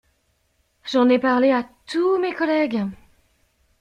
J’en ai parlé à tous mes collègues.